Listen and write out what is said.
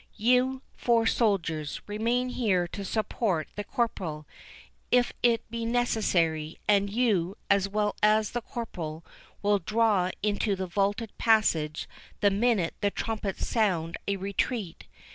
— You four soldiers, remain here to support the corporal, if it be necessary; and you, as well as the corporal, will draw into the vaulted passage the minute the trumpets sound a retreat.